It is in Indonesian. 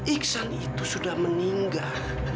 iksan itu sudah meninggal